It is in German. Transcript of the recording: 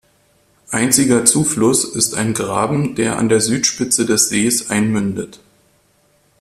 Einziger Zufluss ist ein Graben, der an der Südspitze des Sees einmündet.